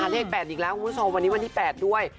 เลข๘อีกแล้วคุณผู้ชมวันนี้วันที่๘ด้วย